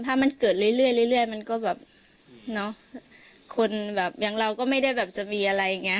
ถ้ามันเกิดเรื่อยมันก็แบบเนอะคนแบบอย่างเราก็ไม่ได้แบบจะมีอะไรอย่างเงี้